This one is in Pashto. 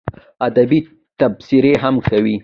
ادبي تبصرې هم کوي.